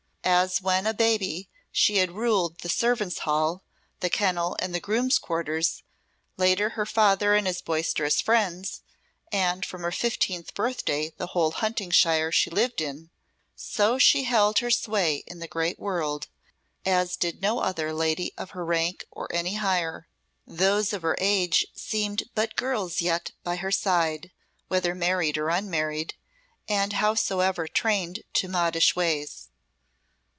As when a baby she had ruled the servants' hall, the kennel, and the grooms' quarters, later her father and his boisterous friends, and from her fifteenth birthday the whole hunting shire she lived in, so she held her sway in the great world, as did no other lady of her rank or any higher. Those of her age seemed but girls yet by her side, whether married or unmarried, and howsoever trained to modish ways.